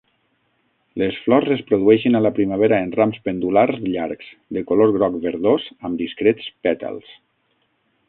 Les flors es produeixen a la primavera en rams pendulars llargs, de color groc verdós amb discrets pètals.